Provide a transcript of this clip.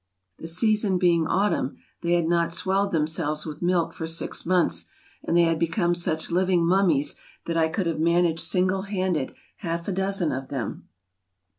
The season being autumn, they had not swelled themselves with milk for six months; and they had become such living mummies that I could have managed single handed half a dozen of them.